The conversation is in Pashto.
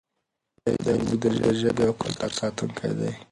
دی زموږ د ژبې او کلتور ساتونکی دی.